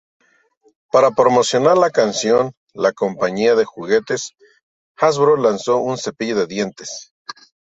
Para promocionar la canción, la compañía de juguetes Hasbro lanzó un cepillo de dientes.